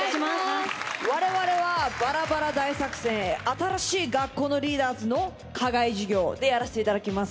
我々はバラバラ大作戦『新しい学校のリーダーズの課外授業』でやらせて頂きます。